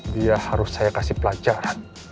dia harus saya kasih pelajaran